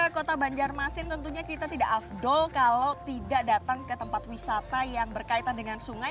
kota banjarmasin tentunya kita tidak afdol kalau tidak datang ke tempat wisata yang berkaitan dengan sungai